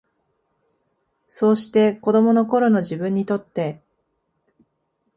そうして、子供の頃の自分にとって、